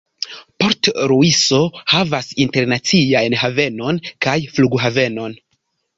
Port-Luiso havas internaciajn havenon kaj flughavenon.